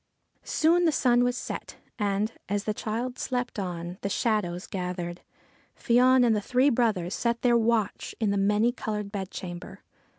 Soon the sun was set, and, as the child slept on and the shadows gathered, Fion and the three brothers set their watch in the Many coloured Bedchamber.